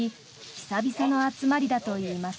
久々の集まりだといいます。